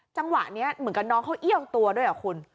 จังหวะนี้เหมือนกับน้องเขาเอี้ยงตัวด้วยเหรอคุณ